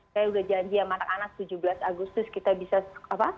saya udah janji sama anak anak tujuh belas agustus kita bisa apa